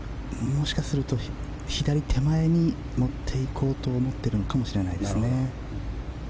もしかすると左手前に持っていこうと思っているのかもしれないですね。